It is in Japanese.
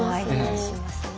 しますね。